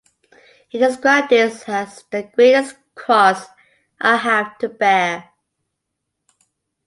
He described this as "the greatest cross I have to bear".